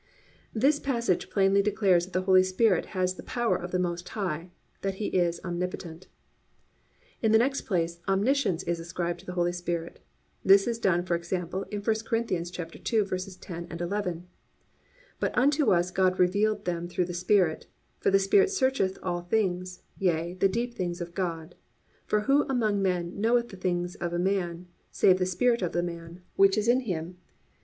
"+ This passage plainly declares that the Holy Spirit has the power of the Most High, that He is omnipotent. (2) In the next place, omniscience is ascribed to the Holy Spirit. This is done, for example, in I Corinthians 2:10, 11: +"But unto us God revealed them through the Spirit: for the Spirit searcheth all things, yea, the deep things of God. For who among men knoweth the things of a man, save the Spirit of the man, which is in him?